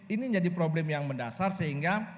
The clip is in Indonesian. ini jadi problem yang mendasar sehingga